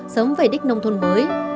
sống về đích nông thôn mới